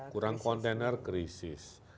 kurang container krisis